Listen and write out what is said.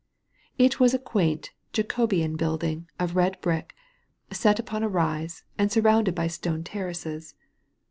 It was a quaint Jacobean building of red bricky set upon a slight rise, and surrounded by stone terraces.